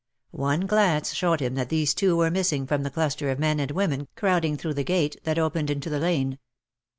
One glance showed him that these two were missing from the cluster of men and women crowding through the gate that opened into the lane.